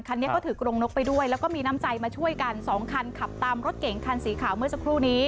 คันนี้ก็ถือกรงนกไปด้วยแล้วก็มีน้ำใจมาช่วยกันสองคันขับตามรถเก๋งคันสีขาวเมื่อสักครู่นี้